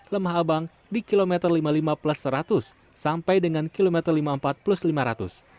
lemah abang di kilometer lima puluh lima plus seratus sampai dengan kilometer lima puluh empat plus lima ratus